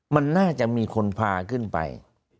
มันน่าจะมีคนพาขึ้นไป